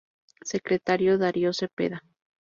Secretario: Darío Cepeda.